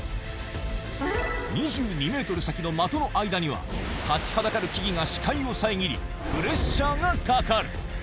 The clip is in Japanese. ２２メートル先の的の間には、立ちはだかる木々が視界を遮り、プレッシャーがかかる。